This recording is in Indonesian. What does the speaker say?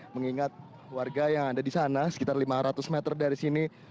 mengingat warga yang ada di sana sekitar lima ratus meter dari sini